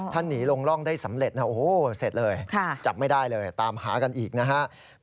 ถ้าหนีลงร่องได้สำเร็จนะโอ้โหเสร็จเลยจับไม่ได้เลยตามหากันอีกนะครับ